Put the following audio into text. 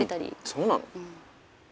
そうなの？